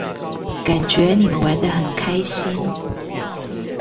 感覺你們玩得很開心